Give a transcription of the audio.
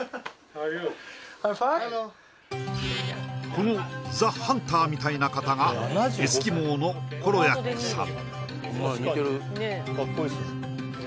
Ｉ’ｍｆｉｎｅこのザ・ハンターみたいな方がエスキモーのコロヤックさん